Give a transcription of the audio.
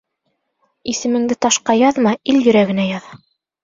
Исемеңде ташҡа яҙма, ил йөрәгенә яҙ.